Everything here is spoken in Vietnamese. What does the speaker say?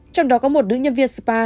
trong đó có một đứa nhân viên spa